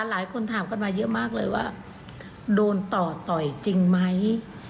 หลายคนถามกันมาเยอะมากเลยว่าโดนต่อต่อยจริงไหม